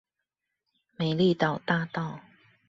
美麗島大道